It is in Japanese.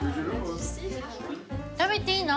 食べていいの？